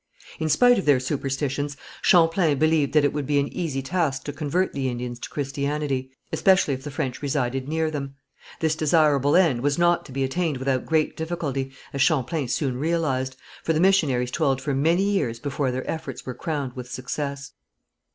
In spite of their superstitions Champlain believed that it would be an easy task to convert the Indians to Christianity, especially if the French resided near them. This desirable end was not to be attained without great difficulty, as Champlain soon realized, for the missionaries toiled for many years before their efforts were crowned with success.